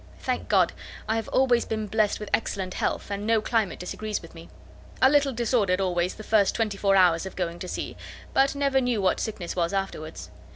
Thank God! I have always been blessed with excellent health, and no climate disagrees with me. A little disordered always the first twenty four hours of going to sea, but never knew what sickness was afterwards.